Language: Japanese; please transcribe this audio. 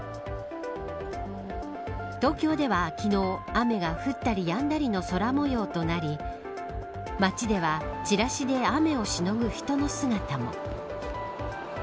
東京では昨日雨が降ったりやんだりの空模様となり街では、チラシで雨をしのぐ人の姿も。